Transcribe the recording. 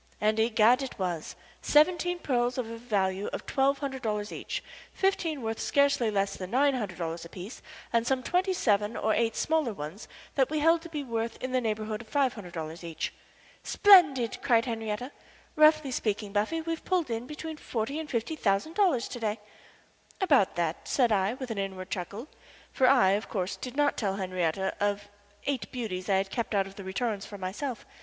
And, egad, it was: seventeen pearls of a value of twelve hundred dollars each, fifteen worth scarcely less than nine hundred dollars apiece, and some twenty seven or eight smaller ones that we held to be worth in the neighborhood of five hundred dollars each. "Splendid!" cried Henrietta "Roughly speaking, Bunny, we've pulled in between forty and fifty thousand dollars to day." [Illustration: "I, OF COURSE, DID NOT TELL HENRIETTE OF EIGHT BEAUTIES I HAD KEPT OUT"] "About that," said I, with an inward chuckle, for I, of course, did not tell Henriette of eight beauties I had kept out of the returns for myself.